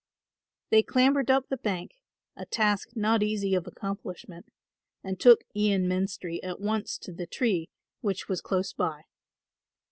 They clambered up the bank, a task not easy of accomplishment, and took Ian Menstrie at once to the tree which was close by.